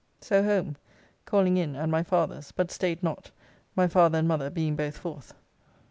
So home, calling in at my father's, but staid not, my father and mother being both forth.